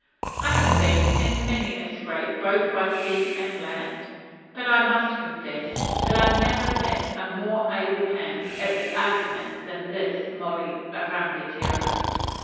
I have been in many a scrape both by sea and land, but I must confess that I never met a more able hand at an argument than this Maori rangatira.